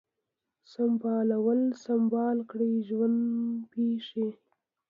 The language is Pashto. سمبالول ، سمبال کړی ، ژوند پیښې